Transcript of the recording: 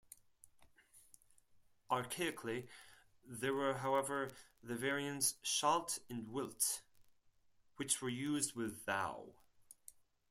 Archaically, there were however the variants "shalt" and "wilt", which were used with thou.